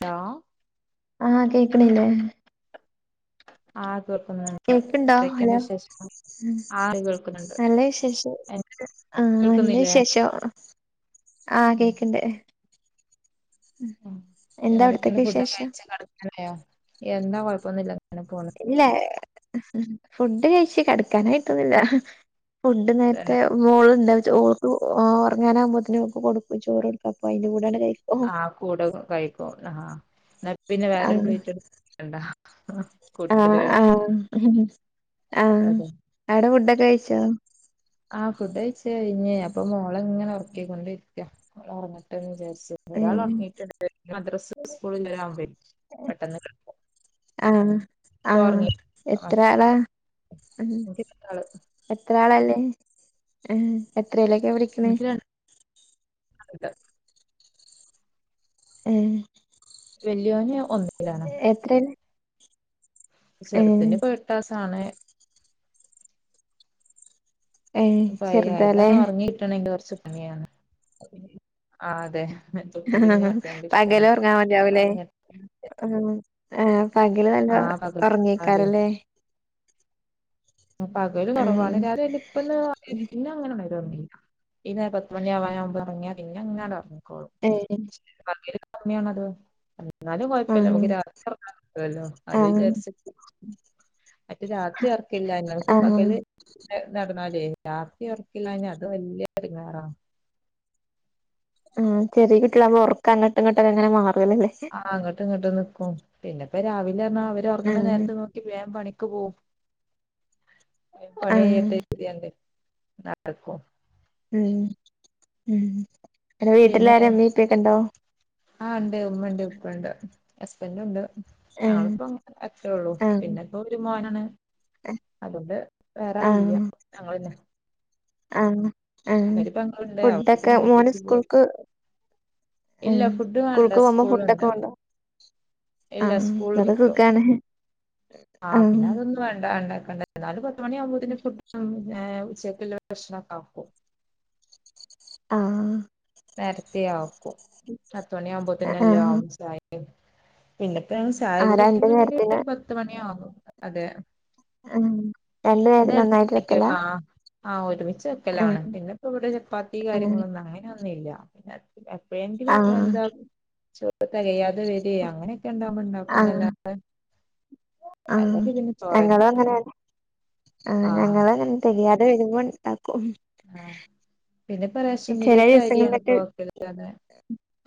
Hello. ആഹ് കേക്കണില്ലേ? ആഹ് കേക്കുന്നുണ്ട് എതൊക്കെണ്ട് വിശേഷങ്ങൾ? ഉം നല്ല വിശേഷം എന്റെ ആഹ് നല്ല കേൾക്കുന്നില്ലേ വിശേഷോം ആഹ് ഉം കേക്ക്ണ്ട്. എന്താ എന്തൊക്ക അവിടത്തേക്ക് ഫുഡൊക്കെ വിശേഷം കഴിച്ച് കെട്ക്കാനായോ? എന്താ കൊഴപ്പൊന്നുല്ല്യ ങ്ങനെ പോണ്. ഇല്ല ഫുഡ് കഴ്ച്ച് കെടാക്കാനായ്ട്ടൊന്നുല്ല ഫുഡ് നേര്ത്തെ തന്നെ മോള്ണ്ട്ഓൾക്ക് ഒർങ്ങാനാവുമ്പോത്ത്ന് ഓക്ക് കൊട്ക്കും ചോറൊട്ക്കും അപ്പോ അയ്ന്റെ കൂടെണ്ട്കഴിക്കും. ആഹ് കൂടെ കഴിക്കും ആഹ് ന്നാ പിന്നെ വേറൊരു ആഹ് പ്ലേറ്റ്ട്കണ്ടാ ആഹ് ആഹ് ആഹ് അതെ അവടെ ഫുഡൊക്കെ കയിച്ചോ? ആഹ് ഫുഡ് കയിച്ച് കഴിഞ്ഞേ അപ്പോ മോളെങ്ങനെ ഒറക്കിക്കോണ്ടിരിക്കാ മോളോറങ്ങട്ടേ വിചാ ച്ച് ഒരാൾ ഏഹ് ഒറങ്ങിട്ടുണ്ട് മദ്രസ് സ്കൂളി [unintelligible] പെട്ടെന്ന് കെടക്കും ആഹ് ഇപ്പൊ ആഹ് ഒറങ്ങി എത്രളാ? ഉം എനിക്ക് രണ്ടാള് എത്ര ആളല്ലേ എത്രല്ലക്കെ പഠി എനിക്ക് രൺ [unintelligible] ഏഹ് വല്ലിയോൻ ഒന്ന് എത്രേലാ ചെറുത്തിനിപ്പോ എട്ടാസാണ് ഏഹ് അപ്പ അയ്യ ചെറുതാല്ലേ അയിതന്നെ ഉറങ്ങി കട്ടണെങ്കിൽ കുറച്ച് പണിയാണ് ആഹ് അതെ ആഹ് പകല് ഒറങ്ങാൻ മതിയാവൂലേ [unintelligible] ആഹ് ആഹ് പകല് നല്ല ആ പകൽ അതെ ഉറങ്ങേക്കാരല്ലേ അ പകല് കുറവാണ് ആഹ് [unintelligible] ഇപ്പന്ന് പിന്ന അങ്ങനെണന്നില്ല ഇന്ന നേര പത്ത് മണിയാവാൻവുമ്പ് ഇറങ്ങാ ഇങ്ങ അങ്ങാടെ ഇറങ്ങിക്കോളൂ [unintelligible] [unintelligible] എന്നാലും കുഴപ്പില്ല ആഹ് നമുക്ക് രാത്രി ഉറങ്ങാൻ കിട്ടുവല്ലോ അത് ആഹ് വിചാരിച്ച മറ്റേ രാത്രി ഒറക്കില്ല ആരുന്നു [unintelligible] ക്ക് ആഹ് പകല് നടന്നാലേ രാത്രി ഉറക്കില്ല അ അത് വല്യ എടങ്ങറാ ആഹ് ചെറിയ കുട്ടികളെ അങ്ങ് ഉറക്കങ്ങിട്ടുംങ്ങട്ടക്ക അങ്ങനെ മാറലല്ലേ ആ [unintelligible] അങ്ങട്ടും ഇങ്ങോട്ട് നിക്കും പിന്നെ ഇപ്പ രാവിലെ [unintelligible] അവര് ഒർങ്ങണെ ആഹ് നേരത്തെ പോ വേഗം പണിക്ക് പോവും ആഹ് പണിയാത്തതിന്റെ നടക്കും ഉം ഉ വീട്ടിലാരും എമ്മീപ്പൊക്കെ ഉണ്ടോ അഹ് ഉണ്ട് ഉമ്മ ഉണ്ട് ഉപ്പ ഉണ്ട് ഹസ്ബൻഡ ഉണ്ട് ആഹ് ഞങ്ങളിപ്പോ അങ്ങന അച്ചള്ളു ആഹ് പിന്നെ ഇപ്പ ഒരു മോനാണ് അതുകൊണ്ട് വേറൊയും ഇല്ല ഞങ്ങന്നെ അഹ് അഹ് പെങ്ങളുണ്ട് അവള് ഫുഡൊക്കെ പിന്നെ മോന കെട്ടിച്ചു പോയി സ്കൂൾക്ക് ഇല്ല ഫുഡ് വേണ്ട സ്കൂൾക പോമ്മ സ്കൂളിലുണ്ട് ഫുഡൊക്കെ ഉണ്ടോ ഇല്ല സ്കൂൾ കിട്ടോ ആഹ് പിന്നെ അതൊന്ന വേണ്ട ഉണ്ടാക്കണ്ട നാല് പത്ത് മണിയാവുമ്പോന് ഫുഡും ഏഹ് ഉച്ചയ്ക്കുള്ള ഭക്ഷ്ണം ആക്കും ആഹ് നേരത്തെ ആക്കും പത്തുമണിയ ആകുമ്പോത്തന്നെല്ല ആഹ് ആവും സായ പിന്നെപ്പോ ഞ ചായ ആഹ് രണ്ട് കുടിക്കുന്ന നേരത്തിന് ഒരു പത്ത് മണിയാന്നുന്നു അതെ അം [unintelligible] നേരം നന്നായിട്ട് വെക്കല അഹ് ഒരുമിച്ചു ഉം വെക്കലാണ് പിന്നെ ഇപ്പ ഇവിടെ ചപ്പാത്തി ഉം കാര്യങ്ങളൊന്നും അങ്ങനെയൊന്നുംല്ല പിന്നെ അപ്പോഴെങ്കിലും ആഹ് എന്താ ചോറ് തികയാതെ വരി അങ്ങനെ ആഹ് [unintelligible] ആഹ് അല്ലെങ്കി പിന്നെ ചോറ് തന്ന ഞങ്ങളും അങ്ങനെ ആഹ് ഞങ്ങൾങ്ങനെ തിരിയാതെ വരുമ്പോ ഉണ്ടാക്കും അഹ് പിന്നെ റേഷൻ ചെല പീടിക അരിയാണ് ഇപ്പൊ ദിവസങ്ങളിലൊക്കെ വെക്കല് [unintelligible]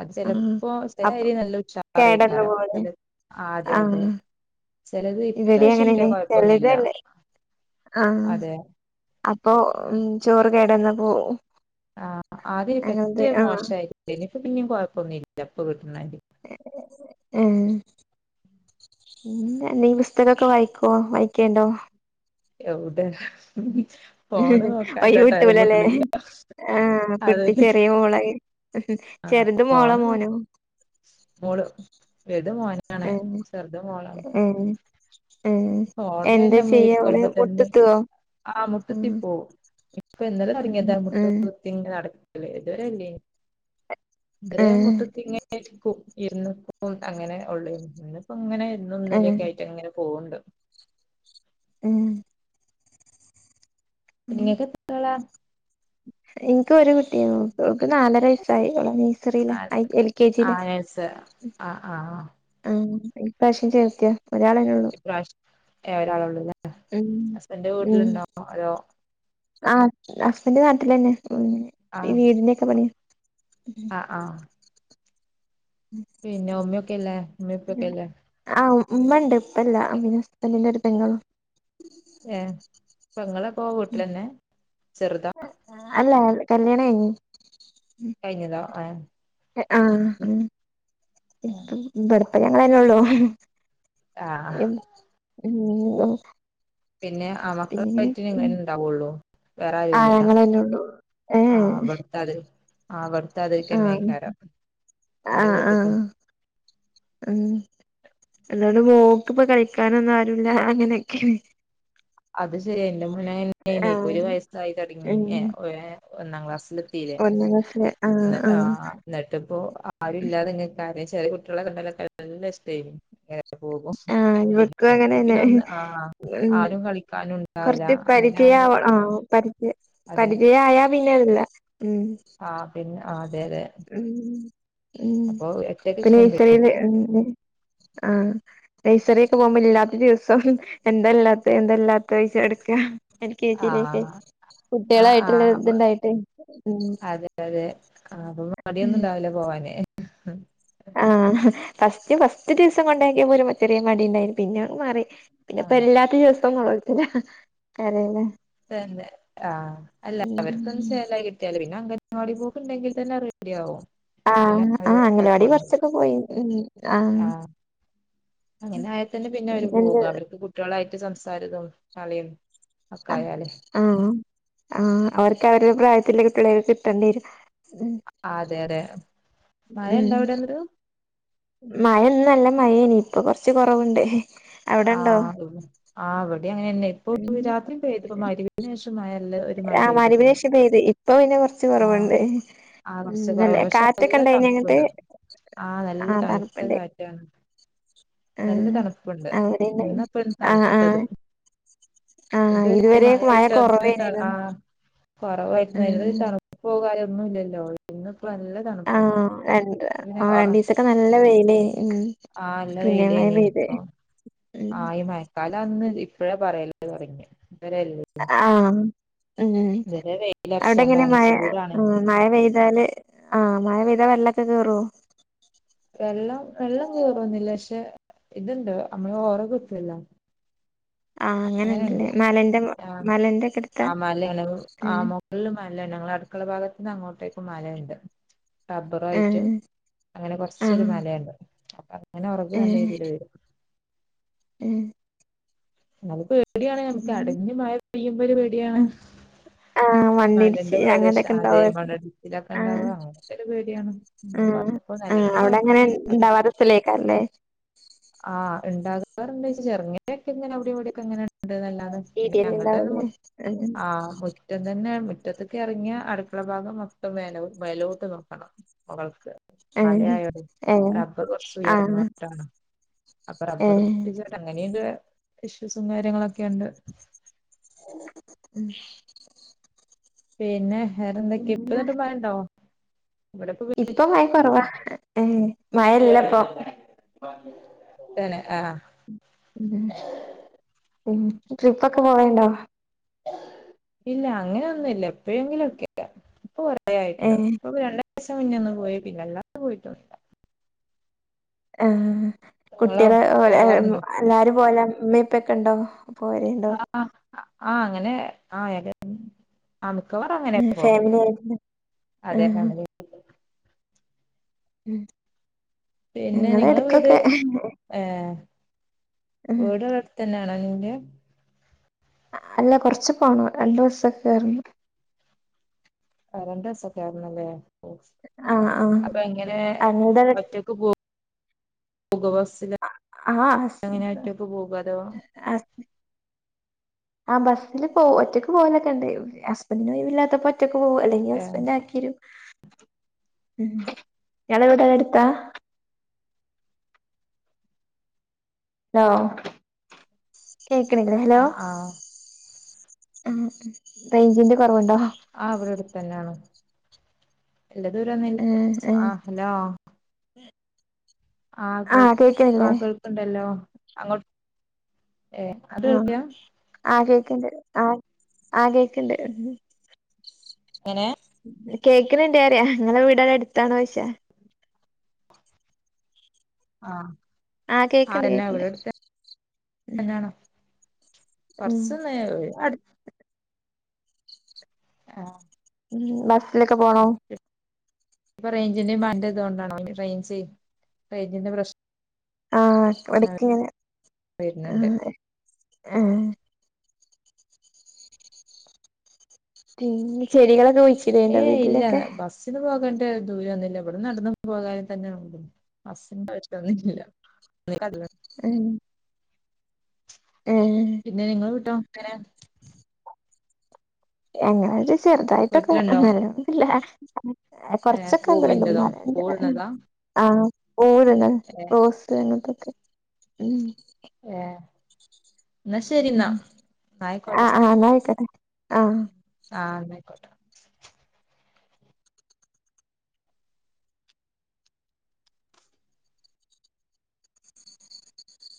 അത് ആഹ് ചിലപ്പോ അപ്പൊ ചിലരി നല്ല കേടന്ന് ഉച്ചാറക്കാരം പോവൂലേ [unintelligible] അഹ് അഹ് അതെ അതെ ആഹ് ചിലത് ഇവിടേം ഇപ്രാവശ്യം അങ്ങനെന്നെ കിട്ടിയത് കൊഴപ്പൊന്നുമില്ല ചെലതല്ലേ ആഹ് അപ്പൊ ചോറ് കേടന്ന പോ ആഹ് ആദ്യ പറ്റേ ആഹ് മോശായിരിക്ക എനിപ്പോ പിന്നേും കൊഴപ്പൊന്നുംല്ല അപ്പ കിട്ടണ അരി ഏഹ് പിന്നന്ത ഈ പുസ്തകമൊക്കെ വായിക്കുവോ വായിക്കേണ്ടോ എവിടെ ഫോണ് വൈ നോക്കാണ്ട ടൈം വിട്ടലല്ലേ കിട്ടണില്ല ആഹ് കുട്ടി അതന്നെ ചെറിയ മോളെ ആ ചെറുത് മോള ഫോണ് മോനോ മോള് വത മോനാണ് ചെറുത മോളാണ് ഉം അവള് [unintelligible] തന്നെ മുട്ടുത്തുവോ ആഹ് ഉം മുട്ടത്തി പോം [unintelligible] ഇന്നലെ ഉം തുടങ്ങിയതാ മുട്ട് ഉം കുത്തി ഇങ്ങനെ നടക്കല് ഇതുവരെ ഇല്ലേ ഉം ഇവിടേം മൊത്തത്തിങ്ങനെയിരിക്കും ഇരുന്നക്കും അങ്ങനെ ഉള്ളേ ഇപ്പ ഇങ്ങനെ ഇന്നും ഉം ഇന്നലൊക്കെ ആയിട്ട്ങ്ങനെ പോവ്ണ്ട് ഉം ഉം ഇങ്ങക്കെത്രാളാ എനിക്ക് ഒരു കുട്ടിയെന്നെള്ളു ഓക്ക് നാലാ വയസായി നഴ്സറിയില എൽ കെ ആ ജിയില നേഴ്സ് ആ ആ ആഹ് ഇപ്രാവശ്യം ചേർത്തിയ ഒരാളന്നെള്ളു ഇപ്രാശ്യം ഒരാള് ഉള്ളൂല്ലേ ഉം ഹസ്ബന്റ് വീട്ടിലുണ്ടോ അതോ? ആഹ് ഹസ്ബന്റ് നാട്ടിലന്നെ ഈ വീടിന്റെ ഒക്കെ പണിയ ആഹ് പിന്നെ ഉമ്മിയൊക്കെ ഇല്ലേ ഉമ്മിപ്പിയൊക്കെ ഇല്ലേ? ആഹ് ഉമ്മ ഇണ്ട് ഉപ്പല്ല പിന്നെ ഹസ്ബന്റിന്റെ ഒരു പെങ്ങളും ഏഹ് പെങ്ങളപ്പൊ വീട്ടിലന്നെ ചെറുതാ? അല്ല കല്യാണം കഴിഞ്ഞ് കഴിഞ്ഞതോ ആഹ് ആഹ് ഇപ്പം ഇവിടിപ്പം ഞങ്ങളന്നെ ഉള്ളൂ ആഹ് ഏഹ് ഉം പിന്നെ അവക്ക് ഇങ്ങനെ തന്നെ ഇണ്ടാവുള്ളൂ വേറെ ആ ആരൂല്ല ഞങ്ങളെന്നെ ഉള്ളൂ ഏ ആഹ് അവിടുത്തെ അത് ആഹ് അവിടുത്താതിരിക്കന്നെയിക്കാരം എന്റെ ആഹ് വീട്ട്ത്തും ആഹ് ഉം അതോണ്ട് മോക്ക് ഇപ്പോ കളിക്കാനൊന്നും ആരുല്ല അങ്ങനെയൊക്കെണ് അത് ശെരിയാ എന്റെ മോൻ ഇപ്പൊ ആഹ് ഒരു വയസായി തുടങ്ങി ഉം ഏ ഒന്നാം ക്ലാസ്സില് ത്തീല്ലേ ഒന്നാം ക്ലാസ്സില് ആഹ് എന്നിട്ട് ആ ആഹ് എന്നിട്ട് ഇപ്പോ ആരും ഇല്ലാതെ ഇാതെങ്ങനെ കാര്യ ചെറിയ കുട്ടികളെ കണ്ടാലൊക്കെ നല്ല ഇഷ്ടായിന് പോകും ആഹ് പിന്നെ ഇവക്കും ഇപ്പം പിന്നെ അങ്ങനെന്നെ ഒന്ന് ആഹ് ഉം ആരും കളിക്കാനു കൊറച്ച് പരിചയാവണ ആഹ് പരിചയ അതെ പരിചയായാ പിന്നെല്ല ഉം ആഹ് പിന്നെ അതെ അതെ ഉം ഉം അപ്പൊ ഒറ്റക്ക് പിന്നെ ഈ നിക്കുമ്പേ നഴ്‌സറില് ഉം ആഹ് നഴ്സറിയൊക്കെ പോകുമ്പോ ഇല്ലാത്ത ദിവസം എന്താല്ലാത്തെ എന്താല്ലാത്തെ ചോദിച്ചു നടക്കാ എൽ കെ ആ ജിലൊക്കെ ആ ആ കുട്ടികളായിട്ടുള്ള അപ്പൊ ഇതുണ്ടായിട്ട് ഉം അതെ ആഹ് അപ്പൊ മടിയൊന്നും ഇണ്ടാവില്ല പോവാന് ആഹ് ഫസ്റ്റ് ഫസ്റ്റ് ദിവസം കൊണ്ടാക്കിയപ്പോ ഒരു ചെറിയ മടി ഇണ്ടായിരുന്നു പിന്നെ അത് മാറി ആ പിന്നെപ്പല്ലാത്ത ദിവസം നൊളോൾച്ചലാ ഏതാലും തന്നെ ആഹ് അല്ല അവർക്കൊന്ന് ചേലായി കിട്ടിയാല് പിന്നെ അങ്ങ നവാടി പോക്ക് ഉണ്ടെങ്കിതന്നെ റെഡി ആവും പിന്നെ ആഹ് ആഹ് അങ്ങലവാടി കുറച്ചൊക്കെ പോയി ഉം ആഹ് അങ്ങനെ ആയാൽ തന്നെ പിന്നെ അവര് എന്ത് പോകും അവർക്ക് കുട്ട് ട്ടികളായിട്ട് സംസാരിതും കളിയും ഒക്ക ആയാലേ ആഹ് ആഹ് അവർക്ക് അവരുടെ പ്രായത്തില് കുട്ടികളെയൊക്കെ കിട്ടേണ്ടി വരും അതെ അതെ മഴ ഉണ്ടോ ഉം അവിടെ അന്നേരം മഴ ഇന്ന് നല്ല മഴേനി ഇപ്പൊ കൊറച്ച് കൊറവുണ്ട് അവിടെണ്ടോ ആഹ് ആഹ് അവിടെ അങ്ങനന്നെ ഇപ്പൊ രാത്രി പെയ്തിപ്പോ മഗ്‌രിബിന് ശേഷം മഴ നല്ല ഒരു മഴ ആഹ് മഗ്രിബിന് പെയ്തിട്ടുണ്ട് ശേഷം പെയ്തു ഇപ്പൊ പിന്നെ കൊറച്ച് ആ കുറവുണ്ട് ഉം ആ കുറച്ച് ഇന്നലെ കുറവുണ്ട് പക്ഷെ നല്ല കാറ്റൊക്കെ ഇണ്ടായിനി അങ്ങട്ട് തണുപ്പുണ്ട് ആ നല്ല തണുത്ത കാറ്റാണ്. ആ നല്ല തണുപ്പുണ്ട് അവിടെ ഇണ്ടായിനി ഇന്നപ്പൻ ആ ആ തണ്ത്തത്. ആ ഇതുവരെ മഴ [unintelligible] കൊറവേനില്ലോ ആഹ് കൊറവായിരുന്നു ഉം [unintelligible] തണുപ്പ് കര്യോ ഒന്നും ഇല്ലല്ലോ ഇന്ന് ഇപ്പ നല്ല തണു ആ രണ്ട് ആ രണ്ടിസൊക്കെ നല്ല വെയിലെനീ ഉം. പിന്നെ മഴ വെയിലെനി പെയ്ത് ഇപ്പോ ഉം ആയി മഴക്കാല അന്ന് ഇപ്പഴേ [unintelligible] അ ആം ഉം ഇതുവരെ അവിടെ എങ്ങനെ വെയിലറച്ചോണ്ടാണ് മഴ? ചൂടാണ് ആഹ് മഴ പെയ്താല് ആഹ് മഴ പെയ്താൽ വെല്ലക്കെ കേറോ? വെള്ളം വെള്ളം കേറൊന്നില്ല പക്ഷെ ഇതുണ്ട് നമ്മള് ഒറകെട്ടല്ലോ. ആഹ് അങ്ങനെണ്ട് അങ്ങനെണ്ട്ല്ലേ മലന്റെ ആ മലന്റെ ഒക്കെ എടുത്താ [unintelligible] ആ ഉം മൊ ള്ളും മലേന് ഞങ്ങളെ അടുക്കള ഭാഗത്ത് നിന്ന് അങ്ങോട്ടേക്കും മലണ്ട്. റബ്ബറായിട്ട് ആഹ് അങ്ങനെ കൊർച്ചൊരു ആഹ് മലയുണ്ട് അപ്പൊ അങ്ങനെ ഒറക് നല്ല രീതിൽ വരും. ഉം ഇന്നാലും പേടിയാണ് നമുക്ക് അടഞ്ഞ് മഴ പെയ്യുമ്പ ഒരു പേടിയാണ്. ആഹ് മണ്ണിടിച്ച് മലന്റെ പ്രദേശം അങ്ങനത്തൊക്കെ അതേ ഉണ്ടാവ [unintelligible] അങ്ങനത്തെ ഒരു പേടിയാണ്. പിന്നെ ഉം കുഴപ്പമൊന്നും ഉം അല്ലെങ്കിൽ അവടെ അങ്ങനെ കുഴപ്പമൊന്നുമില്ല ഇണ്ടാവാത്തെ സ്ഥലേക്കാരല്ലേ? ആ [unintelligible] ചെർങ്ങനെയൊക്കെ ഇങ്ങനെ അവടേം ഇവടേം ക്കെങ്ങനെ ഇണ്ട് ന്നല്ലാതെ പിന്നെ രീതിയന്നെ ഞങ്ങൾടെന്ന് മു ഉണ്ടാവൂലേ ഏഹ് ആ മു മുറ്റം തന്നെ മുറ്റത്തക്കെ എറങ്ങിയ അടുക്കള ഭാഗം മൊത്തം വേ വേലോട്ട് നോക്കണം മുകൾക്ക് മലയായോണ്ടേ ഏഹ് റബ്ബർ കൊർച്ച് ആഹ് ഉയർന്നോട്ടാണ്. അപ്പ റബ്ബർ ഏഹ് പൊട്ടിച്ചോട്ട അങ്ങനെയ ഇഷ്യൂസും കാര്യങ്ങളൊക്കെണ്ട്. ഉം പിന്നെ വേറെന്തൊക്കെയാ പിന്നെ ഇപ്പന്നട്ട് മഴണ്ടോ? ഇവിടെപ്പോ ഇപ്പ മഴ കൊറവാ ഏ മഴല്ല ഇപ്പൊ. തന്നെ ആഹ് [unintelligible] ട്രിപ്പൊക്കെ പോവൽണ്ടോ? ഇല്ല അങ്ങനൊന്നുംല്ല എപ്പയേങ്കിലും ഒക്കെ ഇപ്പൊ കൊറെ ആയിട്ടല്ലോ ഏഹ് ഇപ്പോ രണ്ട് സം മുന്നേ ഒന്ന് പോയിട്ടില്ല അല്ലാതെ പോയിട്ടൊന്നുല്ല. ഏഹ് നിങ്ങളോ കുട്ട്യള് [unintelligible] പോകാറുണ്ടോ എല്ലാരും പോവല ഇമ്മിം ഇപ്പക്കെ ഇണ്ടോ പോരേണ്ടോ? ആഹ് ആഹ് അങ്ങനെ ആഹ് [unintelligible] ആ മിക്കവാറും അങ്ങനെയ ഉം പോകല് ഫാമിലി ആയിരുന്നു ആഹ് [unintelligible] ഉം പിന്നെ ഞങ്ങള് നിങ്ങളെ വീട് എടക്കൊക്കെ ഏഹ് ഉം വീട് വ്ടെട്ത്തന്നെയാണോ നിന്റെ? അല്ല കൊർച്ച് പോണം രണ്ട് ബസ്സൊക്കെ കേറണം. ആ രണ്ട് ബസ്സൊക്കെ കേർണല്ലേ ഓ ആഹ് അപ്പ എങ്ങനെ ആഹ് ഞങ്ങൾടെ ഒറ്റക്ക് പോ [unintelligible] ആഹ് ഹസ് എങ്ങനെയാ ഒറ്റക്ക് പോകോ അതോ? ആ ബസ്സിൽ പോ ഒറ്റക്ക് പോലൊക്കെണ്ട് ഹസ്ബന്റിന് ഒഴിവ് ഇല്ലാത്തപ്പോ ഒറ്റക്ക് പോവു അല്ലെങ്കിൽ ഹസ്ബൻഡ് ആക്കിയെരും ഉം ഇയാളെ വീട് ഇവടെട്ത്താ? ഹലോ കേക്ക്ണില്ലേ ഹലോ? ആഹ് ആഹ് ആഹ് റേഞ്ചിന്റെ കൊറവുണ്ടോ? ആ ഇവടെ അടുത്തന്നെയാണ് എല്ല ദൂരന്നുല്ല ആഹ് ആഹ് ആ ഹലോ ആഹ് കേൾ ആ കേൾക്ണ്ടല്ലോ അങ്ങോട്ട് ഏഹ് അങ്ങട്ട് ഉം കേൾക്കാ ആ കേക്ണ്ട് ആ ആ കേക്ണ്ട്. എങ്ങനെ? കേക്ക്ണ്ണ്ടാറിയാ ങ്ങളവീടെ ടടുത്താണോയ്ച്ച? ആഹ് ആഹ് കേക്ണ്ട് കേക്ണ്ട് തന്നെയണോ ഉം കൊറച്ച് നേ [unintelligible] അടു ആഹ് ഉം ബസ്സിലൊക്കെ പോണം ഇപ്പൊ റേഞ്ച്ന്റെമാൻഡറ്തുകൊണ്ട റേഞ്ച് റേഞ്ചിന്റെ പ്രശ്നം ഇവട്ക്ക്ങ്ങനെ വരുന്നുണ്ട് ആ ആ പിന്നെ ചെടികളക്കെ കുയി ഏയ് ഇല്ല ബസ് ന്ന് പോകണ്ട ദൂരൊന്നുല്ല ഇവിട്ന്ന ടന്ന് പോകാനെ തന്നെള്ളൂ [unintelligible] [unintelligible] ഉം ഏഹ് പിന്നെ നിങ്ങള് കിട്ടോങ്ങനെ എങ്ങനായാലും ചെറുതായിട്ടൊക്കെ വീട്ടിലുണ്ടോ അങ്ങനൊന്നുല്ല ഏ കൊർച്ചൊക്കെ ഒന്ന് രണ്ട് പൂവിന്റതോ ന്നാലഞ്ചാർ പൂവിടുന്നതാ ആഹ് [unintelligible] റോസ് അങ്ങനത്തൊക്കെ ഏഹ് ന്നാ ശരിന്നാ ന്നാ ആയിക്കോട്ടെ ആഹ് ആഹ് എന്നാ ആയിക്കോട്ടെ ആഹ് ആഹ് ന്നായിക്കോട്ടെ